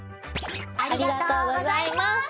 ありがとうございます！